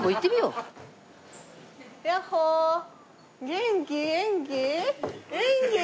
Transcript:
元気元気？